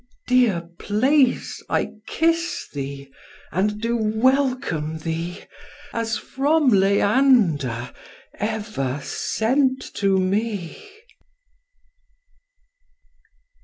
Dear place, I kiss thee, and do welcome thee, As from Leander ever sent to me."